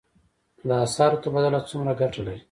د اسعارو تبادله څومره ګټه لري؟